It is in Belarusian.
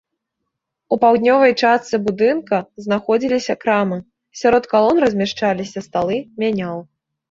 У паўднёвай частцы будынка знаходзіліся крамы, сярод калон размяшчаліся сталы мянял.